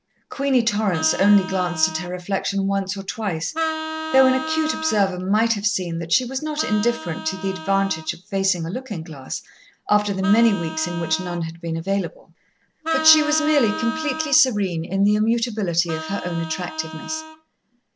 Queenie Torrance only glanced at her reflection once or twice, though an acute observer might have seen that she was not indifferent to the advantage of facing a looking glass, after the many weeks in which none had been available. But she was merely completely serene in the immutability of her own attractiveness.